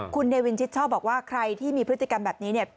คุณเนวินชิดชอบบอกว่าใครที่มีพฤติกรรมแบบนี้เนี่ย